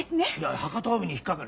博多帯に引っ掛かる